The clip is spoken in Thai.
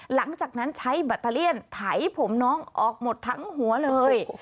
หลังจากนั้นใช้แบตเตอเลี่ยนไถผมน้องออกหมดทั้งหัวเลย